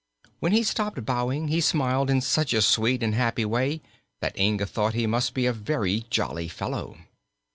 When he stopped bowing he smiled in such a sweet and happy way that Inga thought he must be a very jolly fellow.